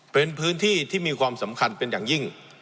เป็นพื้นที่ที่มีความสำคัญเป็นอย่างยิ่ง